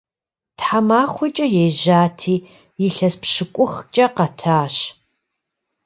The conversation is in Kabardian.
Тхьэмахуэкӏэ ежьати, илъэс пщыкӏухкӏэ къэтащ.